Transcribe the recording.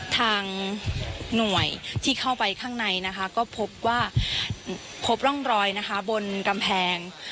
ทางหน่วยที่เข้าไปข้างในนะคะก็พบว่าพบร่องรอยนะคะบนกำแพง